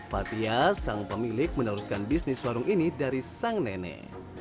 fathia sang pemilik meneruskan bisnis warung ini dari sang nenek